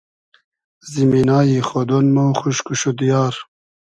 زیمینای خۉدۉن مۉ خوشک و شودیار